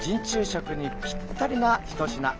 食にぴったりな一品。